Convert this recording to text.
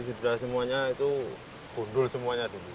setelah semuanya itu gondul semuanya